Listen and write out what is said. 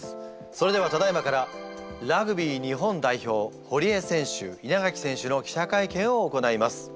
それではただいまからラグビー日本代表堀江選手稲垣選手の記者会見を行います。